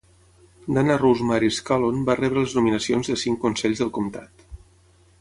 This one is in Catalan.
Dana Rosemary Scallon va rebre les nominacions de cinc consells del comtat.